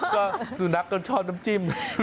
ก็สุนัขก็ชอบน้ำจิ้ม